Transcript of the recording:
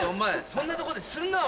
そんなとこでするな！